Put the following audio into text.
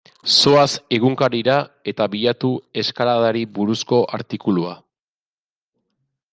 Zoaz egunkarira eta bilatu eskaladari buruzko artikulua.